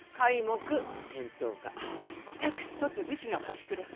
私とて武士の端くれ。